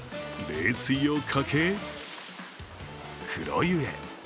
冷水をかけ、黒湯へ。